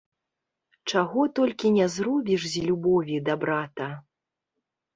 Чаго толькі не зробіш з любові да брата!